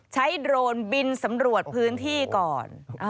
โดรนบินสำรวจพื้นที่ก่อน